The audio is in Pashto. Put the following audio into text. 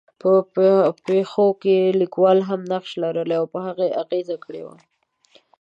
په پېښو کې لیکوال هم نقش لرلی او پر هغې یې اغېز کړی وي.